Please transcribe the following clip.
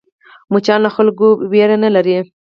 مچان له خلکو وېره نه لري